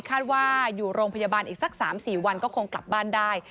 คาดว่าอยู่โรงพยาบาลอีกสัก๓๔วันก็คงกลับบ้านได้